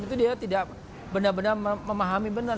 itu dia tidak benar benar memahami benar